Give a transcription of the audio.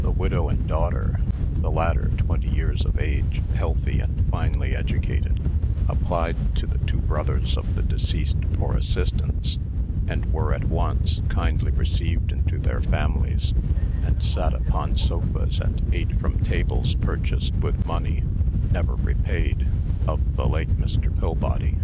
The widow and daughter (the latter twenty years of age, healthy, and finely educated) applied to the two brothers of the deceased for assistance, and were at once kindly received into their families, and sat upon sofas and ate from tables purchased with money (never repaid) of the late Mr. Pillbody.